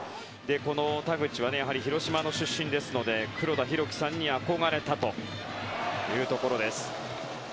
この田口は広島の出身ですので黒田博樹さんに憧れたというところです。